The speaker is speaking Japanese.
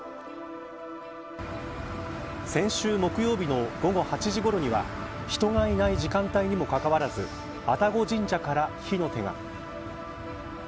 先週木曜日の午後８時ごろには人がいない時間帯にもかかわらず愛宕神社から火の手が。